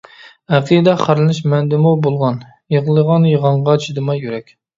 ئەقىدە خارلىنىش مەندىمۇ بولغان، يىغلىغان پىغانغا چىدىماي يۈرەك.